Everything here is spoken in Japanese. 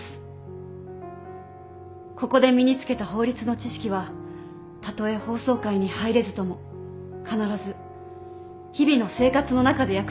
ここで身に付けた法律の知識はたとえ法曹界に入れずとも必ず日々の生活の中で役に立ちます。